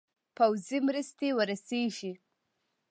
پوځي مرستي ورسیږي.